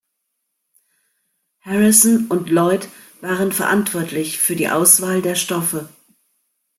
Harrison und Lloyd waren verantwortlich für die Auswahl der Stoffe.